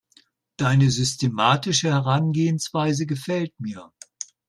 Deine systematische Herangehensweise gefällt mir.